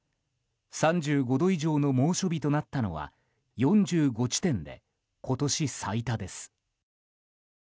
３５度以上の猛暑日となったのは４５地点で今年最多です。